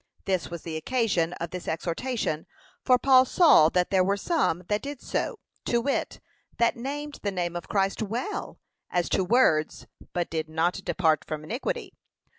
This was the occasion of this exhortation, for Paul saw that there were some that did so; to wit, that named the name of Christ well, as to words, but did not depart from iniquity.